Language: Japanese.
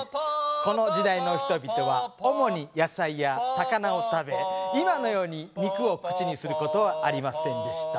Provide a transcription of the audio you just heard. この時代の人々は主に野菜や魚を食べ今のように肉を口にすることはありませんでした。